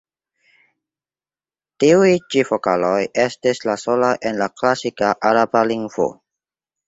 Tiuj ĉi vokaloj estis la solaj en la klasika araba lingvo.